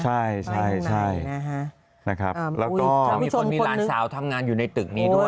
ใช่ใช่นะครับแล้วก็มีคนมีหลานสาวทำงานอยู่ในตึกนี้ด้วย